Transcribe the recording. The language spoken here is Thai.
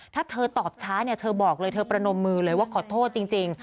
ถ้าเธอตอบช้าเนี่ยเธอบอกเลยเธอประนมมือเลยว่าขอโทษจริง